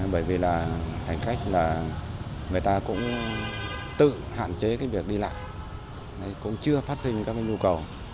bởi vì hành khách người ta cũng tự hạn chế việc đi lại cũng chưa phát sinh các nhu cầu